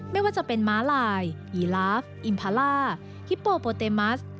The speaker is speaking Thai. ไม่ว่าจะเป็นม้าลายยีลาฟอิมพาล่าฮิปโปโปเตมัส